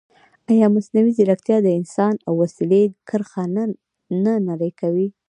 ایا مصنوعي ځیرکتیا د انسان او وسیلې کرښه نه نری کوي؟